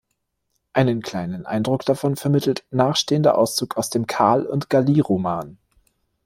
Einen kleinen Eindruck davon vermittelt nachstehender Auszug aus dem "Karl und Galie"-Roman.